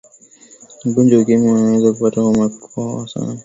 mgonjwa wa ukimwi anaweza kupata homa na kukohoa sana